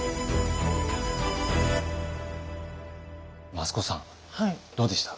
益子さんどうでした？